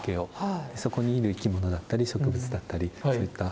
そこにいる生き物だったり植物だったりそういった